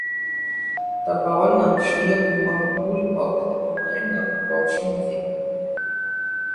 তার বাবার নাম সৈয়দ মাহবুবুল হক এবং মায়ের নাম রওশন হাসিনা।